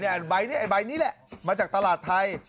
ไอ้ใบนี้แหละมาจากตลาดไทย